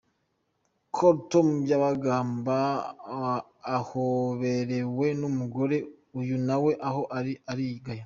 Col. Tom Byabagamba ahoberewe n’umugorowe, uyu nawe aho ari arigaya